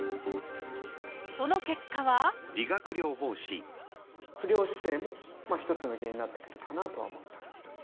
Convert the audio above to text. その結果は不良姿勢も一つの原因になってくるかなとは思います。